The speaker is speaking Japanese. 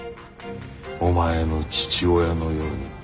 お前の父親のように。